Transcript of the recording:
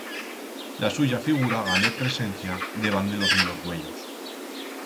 La suya figura gané presencia debant de los míos uellos.